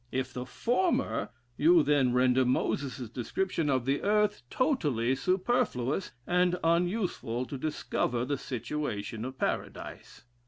If the former, you then render Moses's description of the earth totally superfluous and unuseful to discover the situation of Paradise.